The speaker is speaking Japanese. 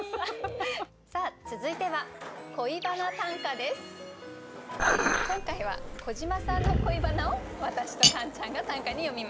さあ続いては今回は小島さんの恋バナを私とカンちゃんが短歌に詠みます。